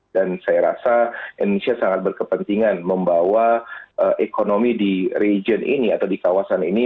dan saya rasa indonesia sangat berkepentingan membawa ekonomi di region ini atau di kawasan ini